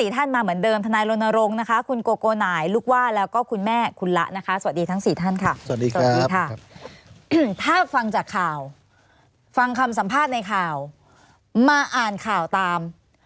ทางคำสัมภาษณ์ในข่าวมาอ่านข่าวตาม